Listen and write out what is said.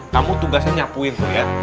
kamu tugasnya nyapuin tuh ya